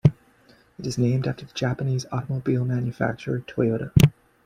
It is named after the Japanese automobile manufacturer Toyota.